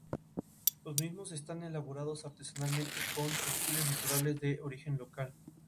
Estudió en una escuela de Tomsk, pero nunca la terminó.